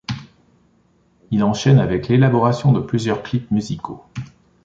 Il enchaîne avec l'élaboration de plusieurs clips musicaux.